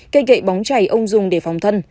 cây gậy bóng chày ông dùng để phòng thân